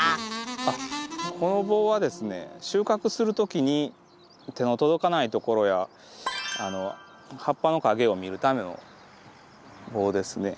あっこの棒はですね収穫する時に手の届かないところや葉っぱの陰を見るための棒ですね。